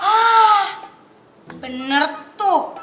hah bener tuh